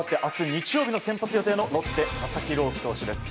日曜日の先発予定のロッテ、佐々木朗希投手です。